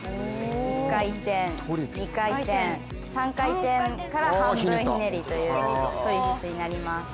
１回転、２回転、３回転から半分ひねりというトリフィスになります。